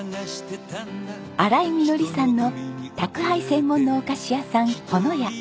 荒井美乃里さんの宅配専門のお菓子屋さんほのや。